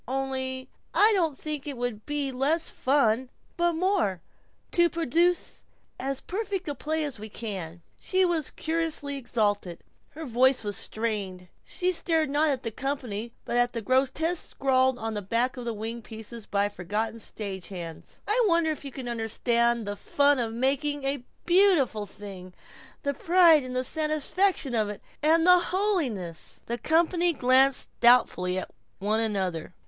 Only I don't think it would be less fun, but more, to produce as perfect a play as we can." She was curiously exalted; her voice was strained; she stared not at the company but at the grotesques scrawled on the backs of wing pieces by forgotten stage hands. "I wonder if you can understand the 'fun' of making a beautiful thing, the pride and satisfaction of it, and the holiness!" The company glanced doubtfully at one another.